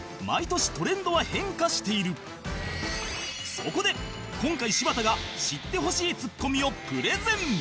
そこで今回柴田が知ってほしいツッコミをプレゼン